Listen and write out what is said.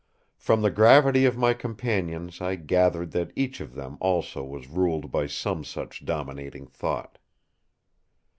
From the gravity of my companions I gathered that each of them also was ruled by some such dominating thought.